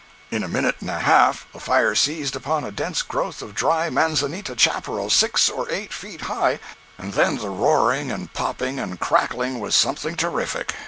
In a minute and a half the fire seized upon a dense growth of dry manzanita chapparal six or eight feet high, and then the roaring and popping and crackling was something terrific.